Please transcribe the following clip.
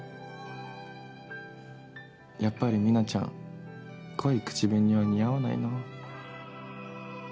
やっぱりミナちゃん濃い口紅は似合わないなあ。